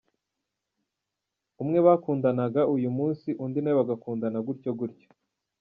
Umwe bakundanaga uyu munsi undi nawe bagakundana gutyo gutyo.